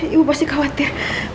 ibu pasti khawatir